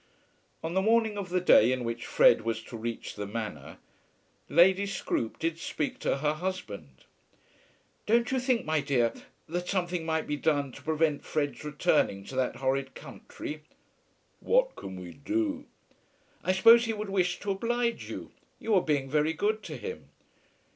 On the morning of the day in which Fred was to reach the Manor, Lady Scroope did speak to her husband. "Don't you think, my dear, that something might be done to prevent Fred's returning to that horrid country?" "What can we do?" "I suppose he would wish to oblige you. You are being very good to him."